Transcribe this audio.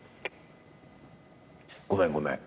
ごめんごめん。